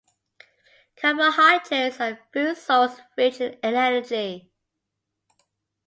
Carbohydrates are a food source rich in energy.